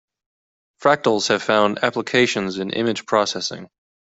Fractals have found applications in image processing.